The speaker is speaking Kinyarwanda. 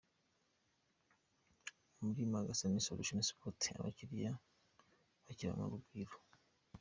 Muri Magasin Solution Sports, abakiriya bakiranwa urugwiro.